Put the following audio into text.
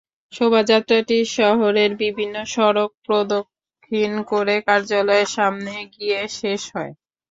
শোভাযাত্রাটি শহরের বিভিন্ন সড়ক প্রদক্ষিণ করে কার্যালয়ের সামনে গিয়ে শেষ হয়।